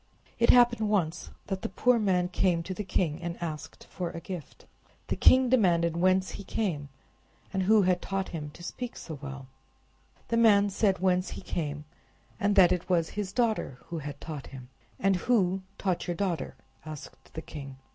It happened once that the poor man came to the king and asked for a gift. The king demanded whence he came, and who had taught him to speak so well. The man said whence he came, and that it was his daughter who had taught him. "And who taught your daughter?" asked the king.